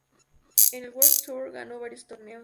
En el World Tour ganó varios torneos.